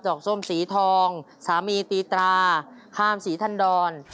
อกส้มสีทองสามีตีตราข้ามศรีทันดร